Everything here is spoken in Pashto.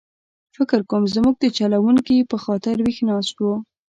فکر کووم زموږ د چلوونکي په خاطر ویښ ناست و.